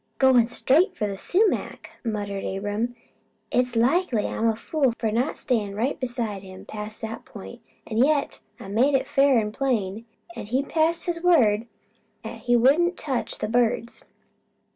"Goin' straight for the sumac," muttered Abram. "It's likely I'm a fool for not stayin' right beside him past that point. An' yet I made it fair an' plain, an' he passed his word 'at he wouldn't touch the birds."